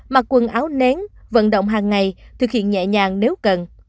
mặc quần áo nén vận động hàng ngày thực hiện nhẹ nhàng nếu cần